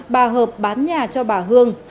bà hợp bán nhà cho bà hương